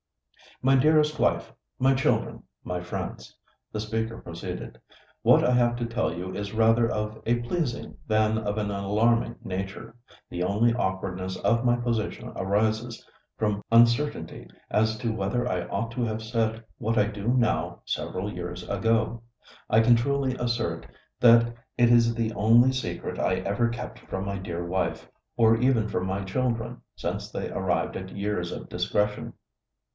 "My dearest wife, my children, my friends," the speaker proceeded, "what I have to tell you is rather of a pleasing than of an alarming nature. The only awkwardness of my position arises from uncertainty as to whether I ought to have said what I do now several years ago. I can truly assert that it is the only secret I ever kept from my dear wife, or even from my children since they arrived at years of discretion."